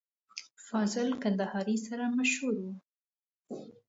په فاضل کندهاري سره مشهور و.